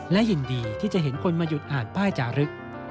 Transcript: และยินดีที่จะเห็นคนมาหยุดอ่านป้ายจารึก